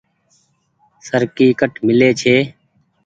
سرکي ڪٺ ميلي ڇي۔